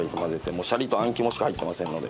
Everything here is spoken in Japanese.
もうしゃりとあん肝しか入ってませんので。